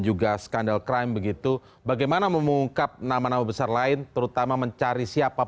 juga skandal crime begitu bagaimana mengungkap nama nama besar lain terutama mencari siapa